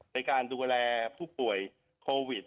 ในการดูแลผู้ป่วยโควิด